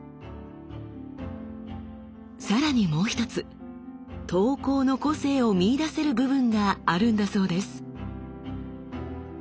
さらにもう一つ刀工の個性を見いだせる部分があるんだそうです。